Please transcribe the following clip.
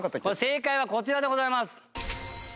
正解はこちらでございます。